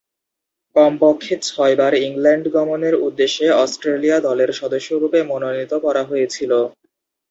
কমপক্ষে ছয়বার ইংল্যান্ড গমনের উদ্দেশ্যে অস্ট্রেলিয়া দলের সদস্যরূপে মনোনীত করা হয়েছিল।